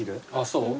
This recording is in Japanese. そう？